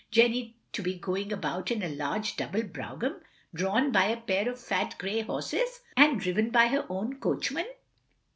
Jenny to be going about in a large double brougham, drawn by a pair of fat grey horses, and driven by her own coachman